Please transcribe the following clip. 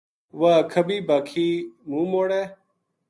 واہ کبھی باکھی منہ موڑے